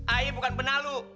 ayo bukan benalu